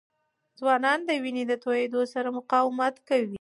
ځوانان د وینې د تویېدو سره مقاومت کوي.